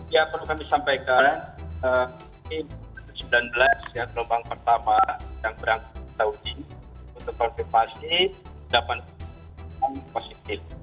ya perlu kami sampaikan ini sembilan belas ya gelombang pertama yang berangkat ke saudi untuk konfirmasi delapan positif